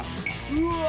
うわ！